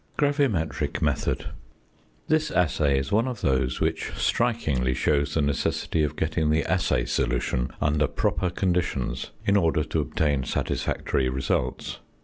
GRAVIMETRIC METHOD. This assay is one of those which strikingly shows the necessity of getting the assay solution under proper conditions, in order to obtain satisfactory results.